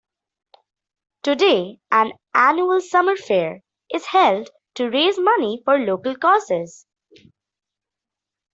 Today an annual summer fair is held to raise money for local causes.